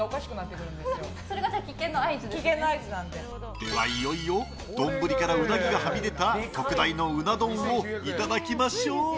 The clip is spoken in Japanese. ではいよいよ丼からうなぎがはみ出た特大のうな丼をいただきましょう。